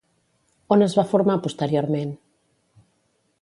On es va formar posteriorment?